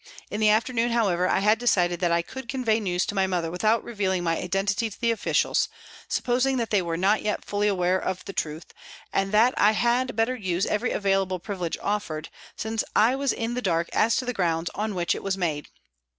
In the afternoon, however, I had decided that I could convey news to my mother without revealing my identity to the officials, supposing that they were not yet fully aware of the truth, and that I had better use every available privilege offered, since I was in the dark as to the grounds on which it was made.